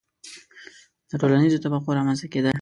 • د ټولنیزو طبقو رامنځته کېدل.